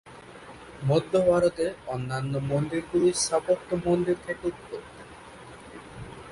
মধ্য ভারতে অন্যান্য মন্দিরগুলির স্থাপত্য মন্দির থেকে উৎপত্তি।